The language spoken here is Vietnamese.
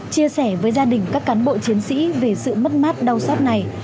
chia sẻ với gia đình các cán bộ chiến sĩ về sự mất mát đau xót này